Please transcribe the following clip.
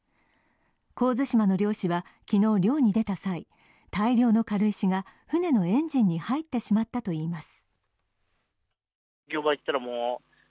神津島の漁師は昨日、漁に出た際、大量の軽石が船のエンジンに入ってしまったといいます。